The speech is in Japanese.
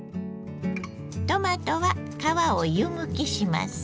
トマトは皮を湯むきします。